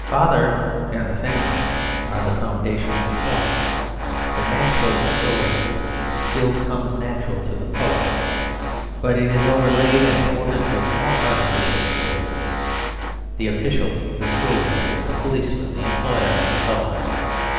Father and the family are the foundations of thought; the natural authority still comes natural to the poet; but it is overlaid and thwarted with more artificial authorities; the official, the schoolmaster, the policeman, the employer, and so on.